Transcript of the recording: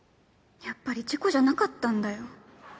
やっぱり事故じゃなかったんだよ